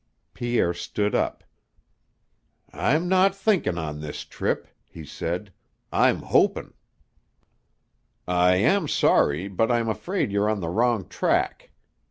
Pierre stood up. "I'm not thinkin' on this trip," he said; "I'm hopin'." "I am sorry, but I am afraid you're on the wrong track.